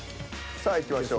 さあいきましょう。